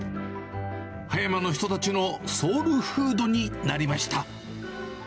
葉山の人たちのソウルフードになりました。